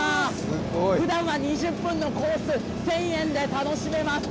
ふだんは２０分のコース、１０００円で楽しめます。